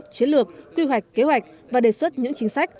chiến lược quy hoạch kế hoạch và đề xuất những chính sách